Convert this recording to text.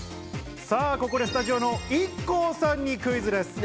ここでスタジオのＩＫＫＯさんにクイズです。